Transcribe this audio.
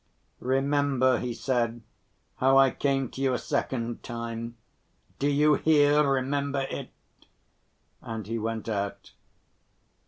"Remember," he said, "how I came to you a second time. Do you hear, remember it!" And he went out.